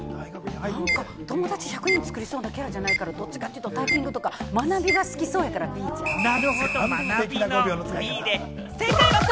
なんか友達１００人作りそうなキャラじゃないから、どっちかというと、タイピングとか学びが好きそうだから、こっちで。